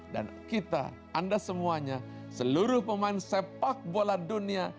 kita anda semuanya seluruh pemain sepak bola dunia